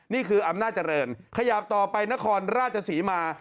นี่คืออำนาจเจริญขยับต่อไปนครราชศรีมา